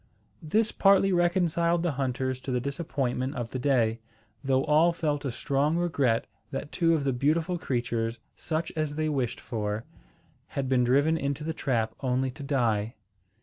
This partly reconciled the hunters to the disappointment of the day, though all felt a strong regret that two of the beautiful creatures, such as they wished for, had been driven into the trap only to die.